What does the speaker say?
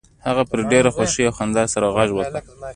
هغه په ډیره خوښۍ او خندا سره غږ وکړ